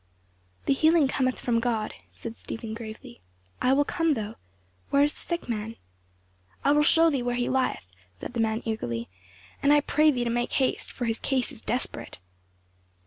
"The healing cometh from God," said Stephen gravely. "I will come though. Where is the sick man?" "I will show thee where he lieth," said the man eagerly; "and I pray thee to make haste, for his case is desperate."